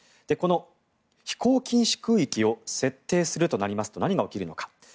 この飛行禁止空域を設定するとなりますと何が起きるのか。